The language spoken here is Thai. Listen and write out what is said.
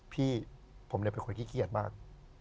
พี่ผมเป็นคนขี้เกียจมาก